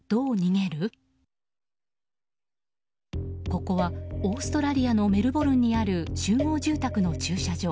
ここはオーストラリアのメルボルンにある集合住宅の駐車場。